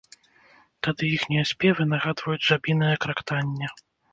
Тады іхнія спевы нагадваюць жабінае крактанне.